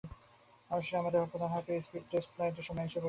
অবশেষে, আমাদের প্রথম হাইপার-স্পিড টেস্ট ফ্লাইট এর সময় এসে গেছে।